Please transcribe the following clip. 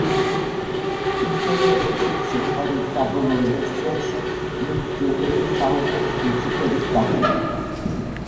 ისევე, როგორც სიმღერის საბოლოო ვერსიაში, მიკ ჯეგერი საუბრობს ლუციფერის სახელით.